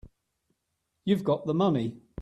You've got the money.